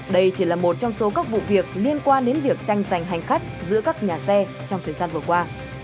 đây chỉ là một trong số các vụ việc liên quan đến việc tranh giành hành khách giữa các nhà xe trong thời gian vừa qua